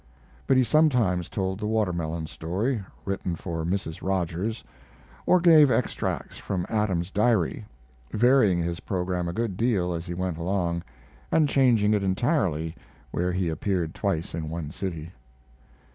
But he sometimes told the watermelon story, written for Mrs. Rogers, or gave extracts from Adam's Diary, varying his program a good deal as he went along, and changing it entirely where he appeared twice in one city.